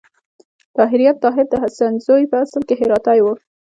طاهریان: طاهر د حسین زوی په اصل کې هراتی و.